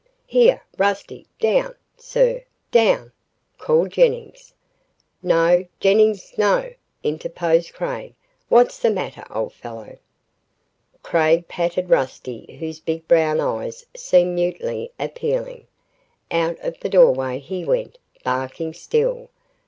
"Here, Rusty down, sir, down!" called Jennings. "No, Jennings, no," interposed Craig. "What's the matter, old fellow?" Craig patted Rusty whose big brown eyes seemed mutely appealing. Out of the doorway he went, barking still.